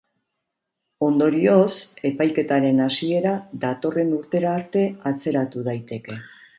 Ondorioz, epaiketaren hasiera datorren urtera arte atzeratu daiteke.